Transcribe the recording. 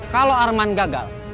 kalau arman gagal